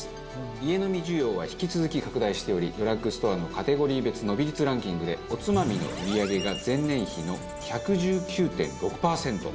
家飲み需要は引き続き拡大しておりドラッグストアのカテゴリー別伸び率ランキングでおつまみの売り上げが前年比の１１９．６パーセント。